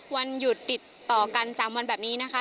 วันหยุดติดต่อกัน๓วันแบบนี้นะคะ